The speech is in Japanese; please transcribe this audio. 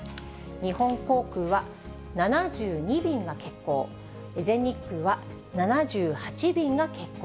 日本航空は、７２便が欠航、全日空は７８便が欠航。